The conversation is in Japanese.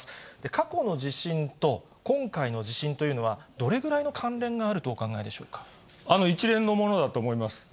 過去の地震と今回の地震というのは、どれぐらいの関連があるとお一連のものだと思います。